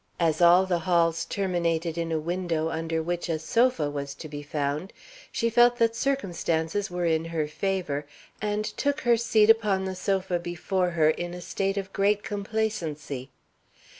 As all the halls terminated in a window under which a sofa was to be found, she felt that circumstances were in her favor, and took her seat upon the sofa before her in a state of great complacency.